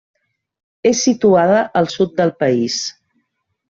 És situada al sud del país.